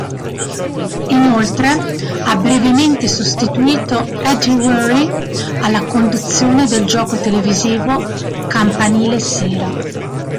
Inoltre, ha brevemente sostituito Eddie Waring alla conduzione del gioco televisivo "Campanile sera".